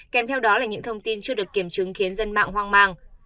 kèm theo đó là những thông tin chưa được kiểm chứng khiến dân mạng hoang mang